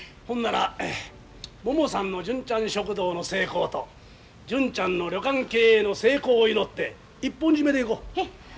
ほんならももさんの純ちゃん食堂の成功と純ちゃんの旅館経営の成功を祈って一本締めでいこう。